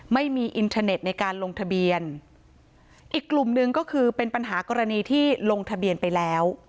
ไม่มีอินเทอร์เน็ตในการลงทะเบียนอีกกลุ่มหนึ่งก็คือเป็นปัญหากรณีที่ลงทะเบียนไปแล้ว